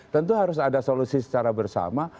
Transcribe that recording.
tentu harus ada solusi secara bersama